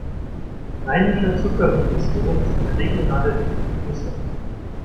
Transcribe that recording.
Rheinischer Zuckerrübensirup ist eine regionale Delikatesse.